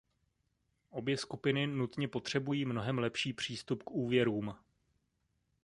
Obě skupiny nutně potřebují mnohem lepší přístup k úvěrům.